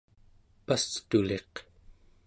pastuliq